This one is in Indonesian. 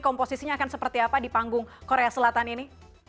komposisinya akan seperti apa di panggung korea selatan ini